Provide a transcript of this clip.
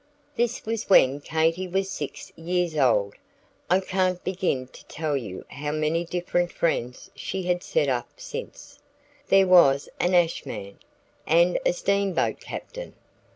This was when Katy was six years old. I can't begin to tell you how many different friends she had set up since then. There was an ash man, and a steam boat captain.